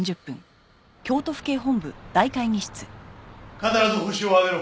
必ずホシを挙げろ。